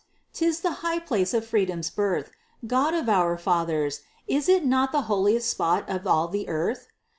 'Tis the high place of Freedom's birth! God of our fathers! is it not The holiest spot of all the earth?